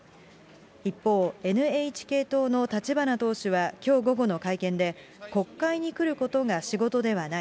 一方、ＮＨＫ党の立花党首はきょう午後の会見で、国会に来ることが仕事ではない。